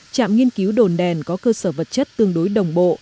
trạm nghiên cứu đồn đèn có cơ sở vật chất tương đối đồng bộ